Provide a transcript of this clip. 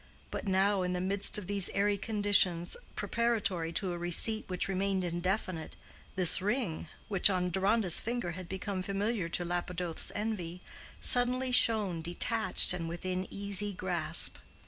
But now, in the midst of these airy conditions preparatory to a receipt which remained indefinite, this ring, which on Deronda's finger had become familiar to Lapidoth's envy, suddenly shone detached and within easy grasp.